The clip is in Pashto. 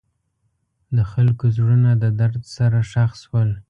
د خلکو زړونه د درد سره ښخ شول.